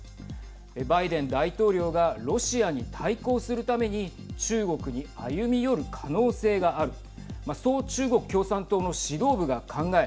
バイデン大統領がロシアに対抗するために中国に歩み寄る可能性があるとそう中国共産党の指導部が考え